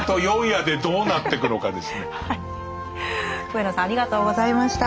上野さんありがとうございました。